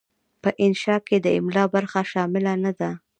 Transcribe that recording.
په انشأ کې د املاء برخه شامله نه ده.